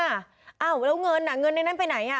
อ้าวแล้วเงินอ่ะเงินในนั้นไปไหนอ่ะ